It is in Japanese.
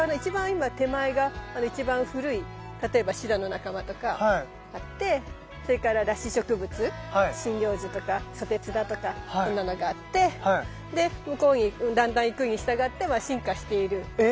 今手前が一番古い例えばシダの仲間とかあってそれから裸子植物針葉樹とかソテツだとかそんなのがあってで向こうにだんだん行くに従って進化している。